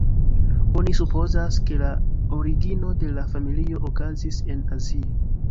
Oni supozas, ke la origino de la familio okazis en Azio.